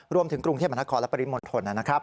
รวมถึงกรุงเทพฯมหาคอและปริมณฑ์หมดหน่อยนะครับ